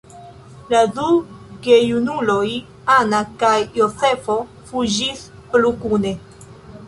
La du gejunuloj, Anna kaj Jozefo, fuĝis plu kune.